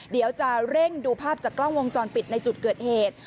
เดี๋ยวจะเร่งดูภาพจากกล้องวงจรปิดในจุดเกิดเหตุ